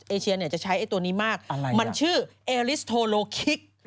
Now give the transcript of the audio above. เอเชียจะใช้ไอ้ตัวนี้มากมันชื่อเอลิสโทโลคิก